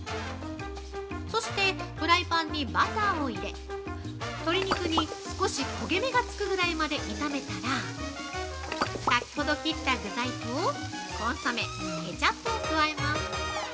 そしてフライパンにバターを入れ鶏肉に少し焦げ目がつくぐらいまで炒めたら、先ほど切った具材とコンソメ、ケチャップを加えます。